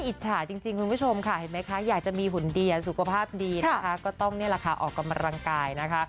อิจฉาจริงคุณผู้ชมค่ะอยากจะมีผลดีสุขภาพดีก็ต้องออกกำลังกายนะคะ